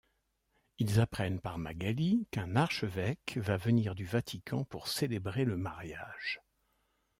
Ils apprennent par Magali qu’un archevêque va venir du Vatican pour célébrer le mariage.